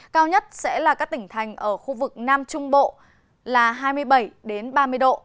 cao nhất sẽ là các tỉnh thành ở khu vực nam trung bộ là hai mươi bảy ba mươi độ